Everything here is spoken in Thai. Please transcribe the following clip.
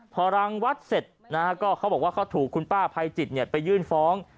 พอรังวัดเสร็จนะฮะก็เขาบอกว่าเขาถูกคุณป้าภัยจิตไปยื่นฟ้อง